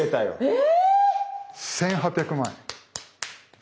え！